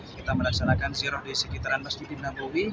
kita melaksanakan sirup di sekitaran masjid nabawi